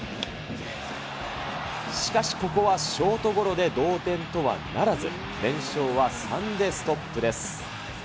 しかしここはショートゴロで同点とはならず、連勝は３でストップです。